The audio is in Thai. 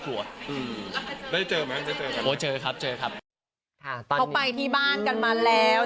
เขาไปที่บ้านกันมาแล้ว